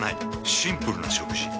シンプルな食事。